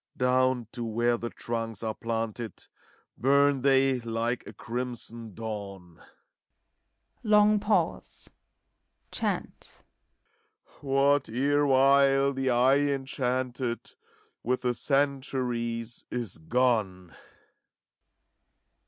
Down to where the trunks are planted ACT V, 233 Bum they like a crimson dawn. Long pause. Chant, What erewhile the eye enchanted With the centuries is gone.